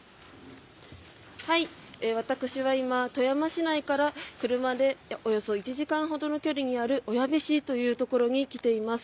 私は富山市内から車でおよそ１時間ほどの距離にある小矢部市というところに来ています。